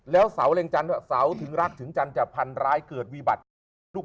แล้วสาวเร็งจันทร์สาวถึงรักถึงจันทร์จะพันรายเกิดวีบัตรลูก